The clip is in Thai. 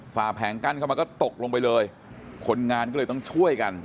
แผงกั้นเข้ามาก็ตกลงไปเลยคนงานก็เลยต้องช่วยกัน